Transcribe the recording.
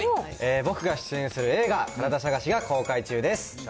僕が出演する映画、カラダ探しが公開中です。